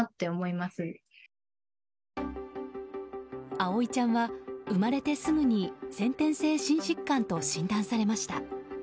葵ちゃんは生まれてすぐに先天性心疾患と診断されました。